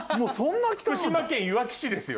福島県いわき市ですよ